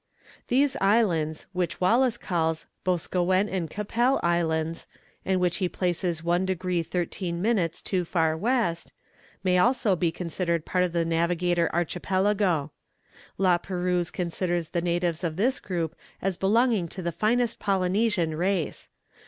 These islands, which Wallis calls Boscawen and Keppel Islands, and which he places 1 degree 13 minutes too far west, may also be considered part of the Navigator Archipelago. La Perouse considers the natives of this group as belonging to the finest Polynesian race.